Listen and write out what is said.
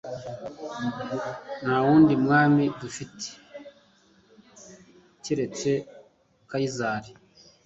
"Nta wundi mwami dufite keretse Kayizari",